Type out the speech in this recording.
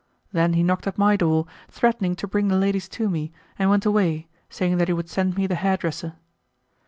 Then he knocked at my door, threatening to bring the ladies to me, and went away, saying that he would send me the hair dresser.